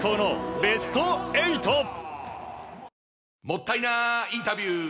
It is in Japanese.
もったいなインタビュー！